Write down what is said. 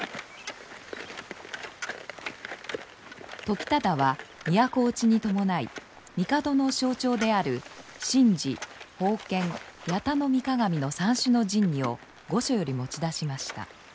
時忠は都落ちに伴い帝の象徴である「神璽」「宝剣」「八咫御鏡」の三種の神器を御所より持ち出しました。